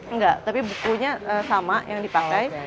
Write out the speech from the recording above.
enggak tapi bukunya sama yang dipakai